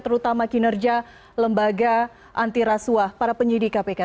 terutama kinerja lembaga antirasuah para penyidik kpk